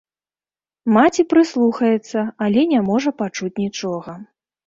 Маці прыслухаецца, але не можа пачуць нічога.